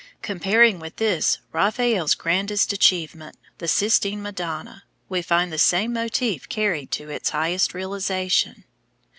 Comparing with this Raphael's grandest achievement, the Sistine Madonna, we find the same motif carried to its highest realization.